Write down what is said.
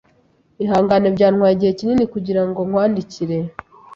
Ihangane byantwaye igihe kinini kugirango nkwandikire.